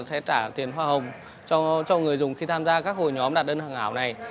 sẽ trả tiền hoa hồng cho người dùng khi tham gia các hội nhóm đặt đơn hàng ảo này